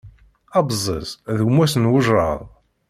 Abẓiz d gma-s n wejraḍ.